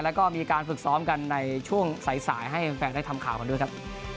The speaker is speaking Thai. แล้วก็มีการฝึกซ้อมกันในช่วงสายให้แฟนได้ทำข่าวกันด้วยครับ